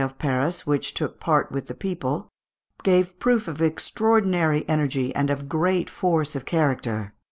the Châtelet of Paris, which took part with the people, gave proof of extraordinary energy and of great force of character.